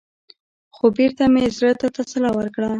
خـو بـېرته مـې زړه تـه تـسلا ورکړه.